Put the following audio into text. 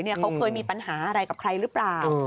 เขาเคยมีปัญหาอะไรกับใครหรือเปล่า